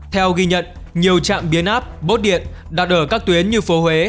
theo ghi nhận nhiều trạm biến áp bố điện đặt ở các tuyến như phố huế